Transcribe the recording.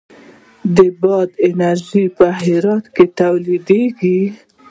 د باد انرژي په هرات کې تولیدیږي